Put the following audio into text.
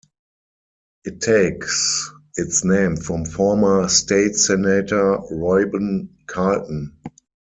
It takes its name from former State Senator Reuben Carlton.